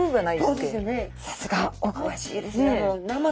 さすがおくわしいですね。